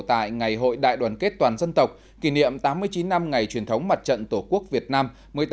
tại ngày hội đại đoàn kết toàn dân tộc kỷ niệm tám mươi chín năm ngày truyền thống mặt trận tổ quốc việt nam một mươi tám một mươi một một nghìn chín trăm ba mươi